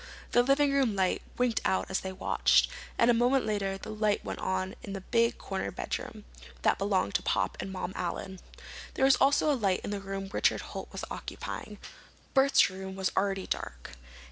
The living room light winked out as they watched, and a moment later the light went on in the big corner bedroom that belonged to Pop and Mom Allen. There was also a light in the room Richard Holt was occupying. Bert's room was already dark.